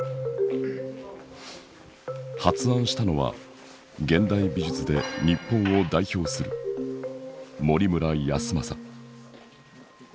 発案したのは現代美術で日本を代表する森村泰昌。